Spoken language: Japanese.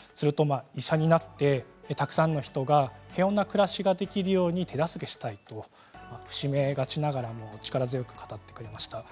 「医者になってたくさんの人が平穏な暮らしをできるようにしたい」と伏し目がちながらも力強く語ってくれました。